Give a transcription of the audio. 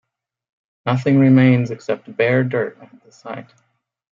Nothing remains except bare dirt at the site.